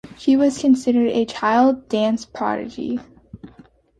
She was considered a child dance prodigy.